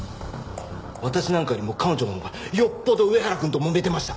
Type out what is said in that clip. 私なんかよりも彼女のほうがよっぽど上原くんともめてました！